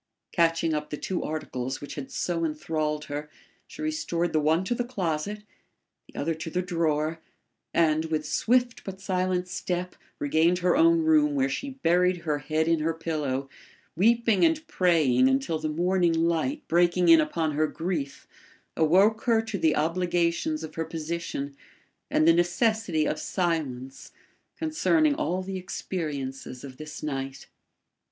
Catching up the two articles which had so enthralled her, she restored the one to the closet, the other to the drawer, and, with swift but silent step, regained her own room where she buried her head in her pillow, weeping and praying until the morning light, breaking in upon her grief, awoke her to the obligations of her position and the necessity of silence concerning all the experiences of this night.